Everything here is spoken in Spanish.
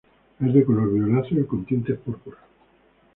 Es de color violáceo con tintes púrpuras.